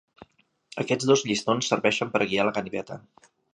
Aquests dos llistons serveixen per a guiar la ganiveta.